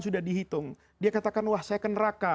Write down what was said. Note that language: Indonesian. sudah dihitung dia katakan wah saya ke neraka